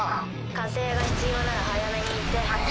加勢が必要なら早めに言って。